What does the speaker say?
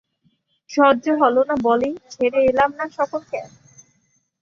সহ্য হল না বলেই ছেড়ে এলাম না সকলকে?